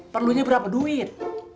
perlunya berapa duit